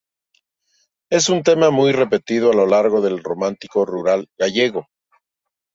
Es un tema muy repetido a lo largo del románico rural gallego.